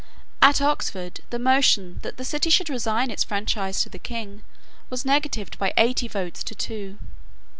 At Oxford the motion that the city should resign its franchises to the King was negatived by eighty votes to two.